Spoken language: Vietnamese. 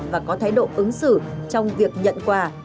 và có thái độ ứng xử trong việc nhận quà